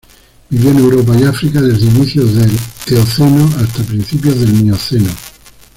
Vivió en Europa y África desde inicios del Eoceno hasta principios del Mioceno.